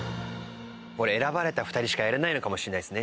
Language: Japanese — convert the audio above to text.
これ選ばれた２人しかやれないのかもしれないですね。